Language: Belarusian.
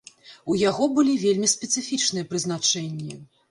У яго былі вельмі спецыфічныя прызначэнні.